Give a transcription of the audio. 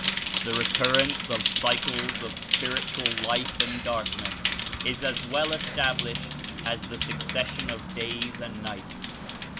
The recurrence of cycles of spiritual light and darkness Is as well established as the succession of days and nights.